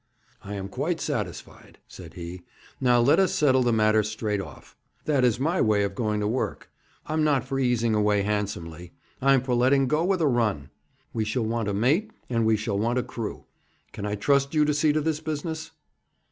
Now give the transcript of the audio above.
'I am quite satisfied,' said he. 'Now let us settle the matter straight off. That is my way of going to work. I'm not for easing away handsomely; I'm for letting go with a run. We shall want a mate, and we shall want a crew. Can I trust you to see to this business?'